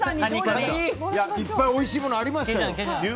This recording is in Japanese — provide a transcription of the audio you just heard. いっぱいおいしいものありましたよ。